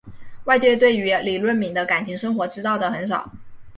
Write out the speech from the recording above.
外界对于李闰珉的感情生活知道的很少。